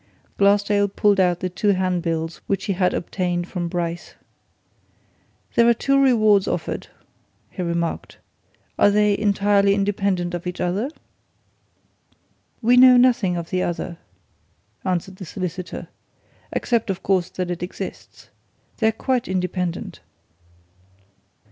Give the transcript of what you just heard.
Glassdale pulled out the two handbills which he had obtained from Bryce. "There are two rewards offered," he remarked. "Are they entirely independent of each other?" "We know nothing of the other," answered the solicitor. "Except, of course, that it exists. They're quite independent."